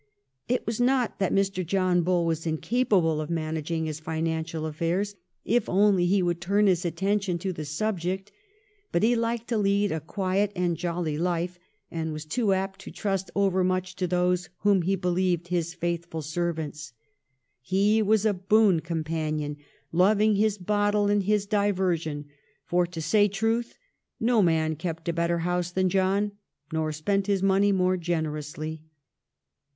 It was not that Mr. Bull was incapable of managing his financial affairs if only he would turn his attention to the subject, but he liked to lead a quiet and jolly life, and was too apt to trust overmuch to those whom he believed his faithful servants. He was ' A boon companion, loving his bottle and his diversion ; for, to say truth, no man kept a better house than John, nor spent his money more generously.'